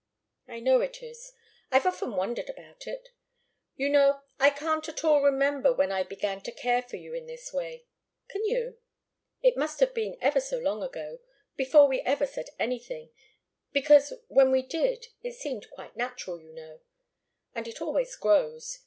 "I know it is. I've often wondered about it. You know, I can't at all remember when I began to care for you in this way. Can you? It must have been ever so long ago, before we ever said anything because, when we did, it seemed quite natural, you know. And it always grows.